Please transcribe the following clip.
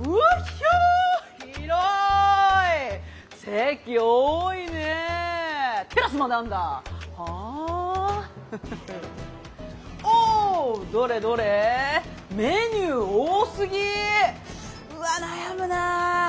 うわ悩むな。